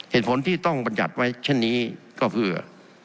เหตุผลที่ต้องบรรยัติไว้เช่นนี้ก็เพื่อ